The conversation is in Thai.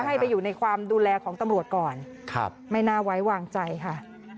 ให้ไปอยู่ในความดูแลของตำรวจก่อนไม่น่าไว้วางใจค่ะ